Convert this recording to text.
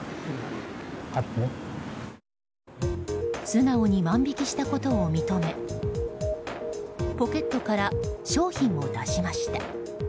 素直に万引きしたことを認めポケットから商品を出しました。